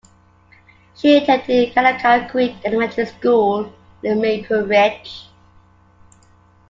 She attended Kanaka Creek Elementary School in Maple Ridge.